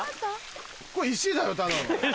これ石だよただの。